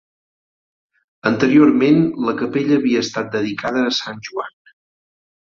Anteriorment la capella havia estat dedicada a Sant Joan.